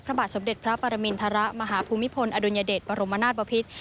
พระบาทสมเด็จพระปรมิณฐระมหาภูมิพลอดุญเดชปรมนาฏปภิษฐ์